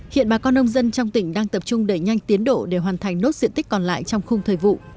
hiện bà con nông dân trong tỉnh đang tập trung đẩy nhanh tiến độ để hoàn thành nốt diện tích còn lại trong khung thời vụ